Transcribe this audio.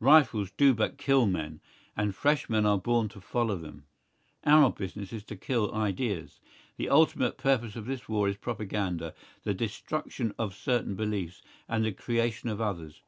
Rifles do but kill men, and fresh men are born to follow them. Our business is to kill ideas. The ultimate purpose of this war is propaganda, the destruction of certain beliefs, and the creation of others.